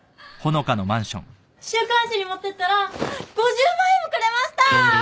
週刊誌に持ってったら５０万円もくれました！